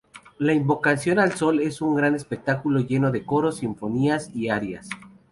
La invocación al sol es un gran espectáculo lleno de coros, sinfonías y arias.